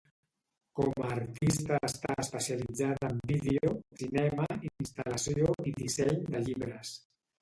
Com a artista està especialitzada en vídeo, cinema, instal·lació, i disseny de llibres.